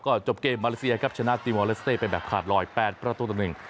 ก็จบเกมมาเลเซียครับชนะตีมอลเลสเต้ไปแบบขาดลอย๘ประตูต่อหนึ่ง